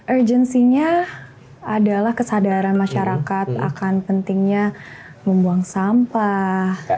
urgensinya adalah kesadaran masyarakat akan pentingnya membuang sampah